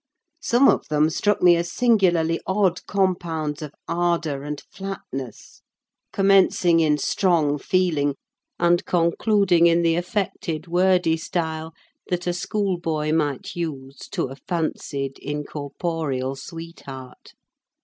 Some of them struck me as singularly odd compounds of ardour and flatness; commencing in strong feeling, and concluding in the affected, wordy style that a schoolboy might use to a fancied, incorporeal sweetheart.